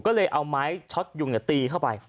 ก็เลยเอาไม้ช็อตยุงตีเข้าไป